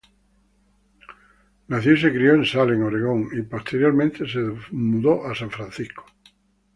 Nació y se crio en Salem, Oregon, y posteriormente se mudó a San Francisco.